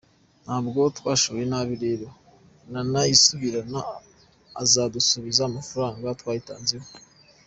Ntabwo twashoye nabi rero nanayisubirana azadusubiza amafaranga twayitanzeho”.